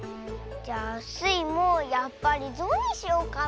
じゃあスイもやっぱりゾウにしようかなあ。